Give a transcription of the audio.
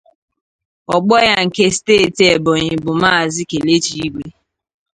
ogbo ya nke steeti Ebonyi bụ maazị kelechi Igwe